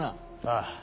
ああ